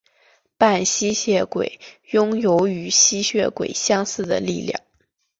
半吸血鬼拥有与吸血鬼相似的力量。